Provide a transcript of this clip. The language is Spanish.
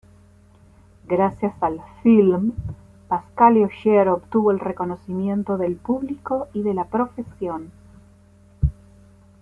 Gracias al film, Pascale Ogier obtuvo el reconocimiento del público y de la profesión.